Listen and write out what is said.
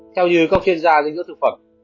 theo như các chuyên gia dịch dưỡng thực phẩm